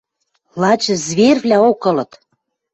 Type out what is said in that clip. Лач зверьвлӓок ылыт.